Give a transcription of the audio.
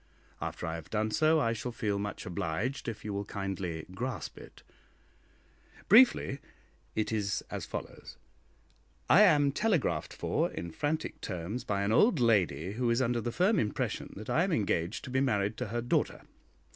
After I have done so, I shall feel much obliged if you will kindly "grasp" it. Briefly, it is as follows: I am telegraphed for in frantic terms by an old lady who is under the firm impression that I am engaged to be married to her daughter.